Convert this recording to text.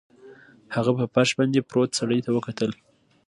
هغه په فرش باندې پروت سړي ته وکتل